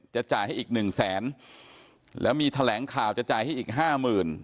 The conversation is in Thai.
จะจ่ายให้อีกหนึ่งแสนแล้วมีแถลงข่าวจะจ่ายให้อีกห้าหมื่น